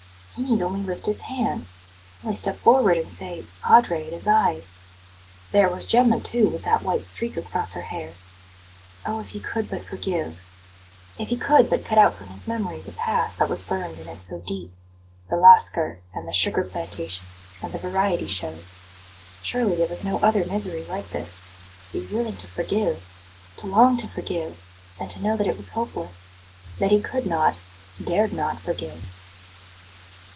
He need only lift his hand only step forward and say: "Padre, it is I." There was Gemma, too, with that white streak across her hair. Oh, if he could but forgive! If he could but cut out from his memory the past that was burned into it so deep the Lascar, and the sugar plantation, and the variety show! Surely there was no other misery like this to be willing to forgive, to long to forgive; and to know that it was hopeless that he could not, dared not forgive.